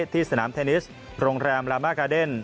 ที่สนามเทนนิสโรงแรมลามากาเดน